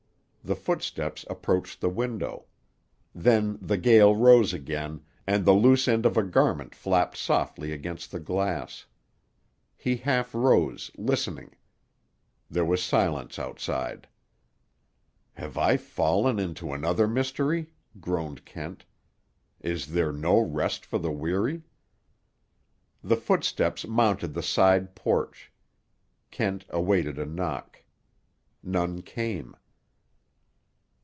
The footsteps approached the window. Then the gale rose again, and the loose end of a garment flapped softly against the glass. He half rose, listening. There was silence outside. "Have I fallen into another mystery?" groaned Kent. "Is there no rest for the weary?" The footsteps mounted the side porch. Kent awaited a knock. None came.